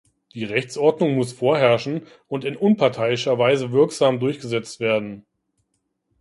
Die Rechtsordnung muss vorherrschen und in unparteiischer Weise wirksam durchgesetzt werden.